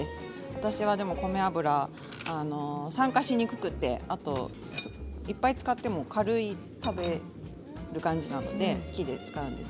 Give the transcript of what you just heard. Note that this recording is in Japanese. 私は、でも米油は酸化しにくくていっぱい使っても軽い食べる感じなので米油を使います。